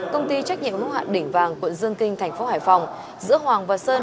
công ty trách nhiệm hốc hạn đỉnh vàng quận dương kinh tp hải phòng giữa hoàng và sơn